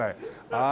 ああ。